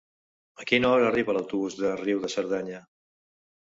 A quina hora arriba l'autobús de Riu de Cerdanya?